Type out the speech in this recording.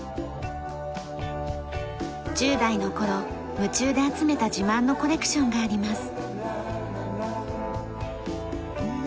１０代の頃夢中で集めた自慢のコレクションがあります。